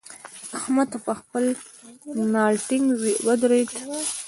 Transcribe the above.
احمد پر خپل ناړ ټينګ ودرېد.